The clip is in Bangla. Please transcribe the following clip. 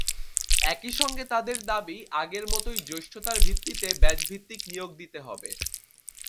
একই সঙ্গে তাদের দাবি, আগের মতোই জ্যেষ্ঠতার ভিত্তিতে ব্যাচভিত্তিক নিয়োগ দিতে হবে।